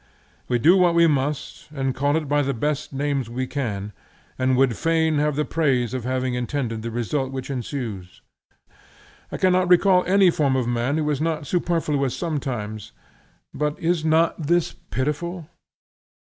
We do what we must, and call it by the best names we can, and would fain have the praise of having intended the result which ensues. I cannot recall any form of man who is not superfluous sometimes. But is not this pitiful?